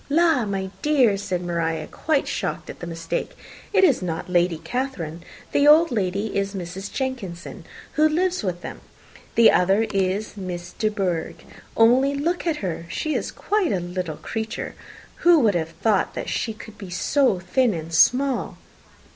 "La! my dear," said Maria, quite shocked at the mistake, "it is not Lady Catherine. The old lady is Mrs. Jenkinson, who lives with them. The other is Miss De Bourgh. Only look at her. She is quite a little creature. Who would have thought she could be so thin and small!"